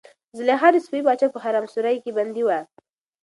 زلیخا د صفوي پاچا په حرمسرای کې بندي وه.